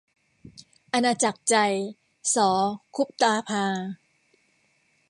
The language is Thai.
อาณาจักรใจ - ส คุปตาภา